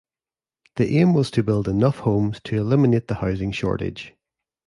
The aim was to build enough homes to eliminate the housing shortage.